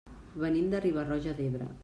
Venim de Riba-roja d'Ebre.